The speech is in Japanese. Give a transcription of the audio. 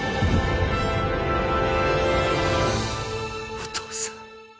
お父さん。